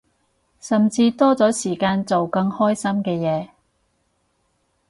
甚至多咗時間做更開心嘅嘢